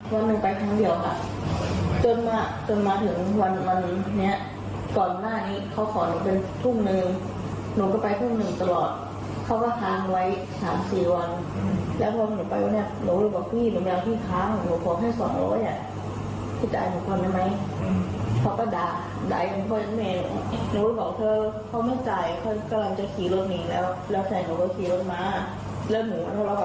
หยี่รถม้าและหนูกันธอรับกับแฟนหนูแล้ว